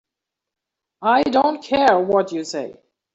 I don't care what you say.